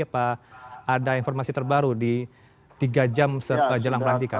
pak ada informasi terbaru di tiga jam jelang pelantikan